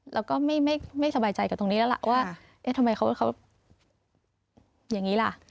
แล้วก็ไม่สบายใจกับตรงนี้แล้วล่ะว่าเอ๊ะทำไมเขาอย่างนี้ล่ะ